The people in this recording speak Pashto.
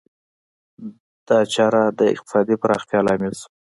دا چاره د اقتصادي پراختیا لامل شوه.